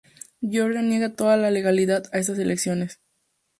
Georgia niega toda legalidad a estas elecciones.